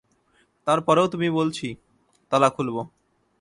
তার পরেও তুমি বলছি তালা খুলব।